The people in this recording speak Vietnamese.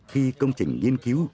khi công trình nghiên cứu